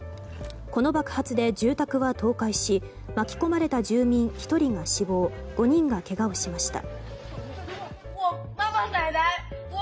この爆発で住宅は倒壊し巻き込まれた住民１人が死亡５人がけがをしました。